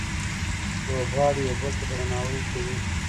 لوبغاړي یو بل ته درناوی کوي.